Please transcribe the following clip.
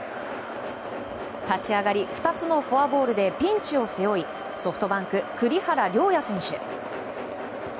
立ち上がり、２つのフォアボールでピンチを背負いソフトバンク、栗原陵矢選手。